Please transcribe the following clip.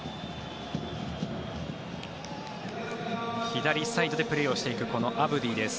左サイドでプレーをしていくアブディです。